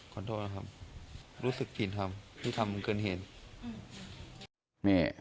ขอโทษนะครับรู้สึกผิดครับที่ทำเกินเหตุ